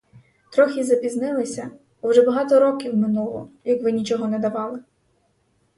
Трохи запізнилися, бо вже багато років минуло, як ви нічого не давали.